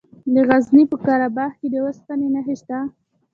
د غزني په قره باغ کې د اوسپنې نښې شته.